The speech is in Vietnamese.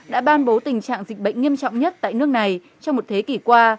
đã ban bố tình trạng dịch bệnh nghiêm trọng nhất tại nước này trong một thế kỷ qua